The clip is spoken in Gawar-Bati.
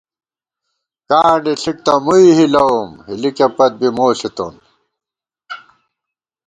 کانڈے ݪِک تہ مُوئی ہِلَوُم، ہِلِکے پت بی مو ݪِتون